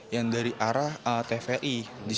yang dari arah tvi